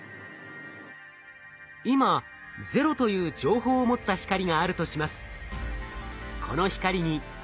今「０」という情報を持った光があるとします。